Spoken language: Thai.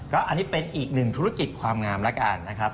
อันนี้เป็นอีกหนึ่งธุรกิจความงามแล้วกันนะครับ